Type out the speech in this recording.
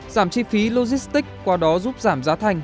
giảm chi phí logistics qua đó giúp giảm giá thành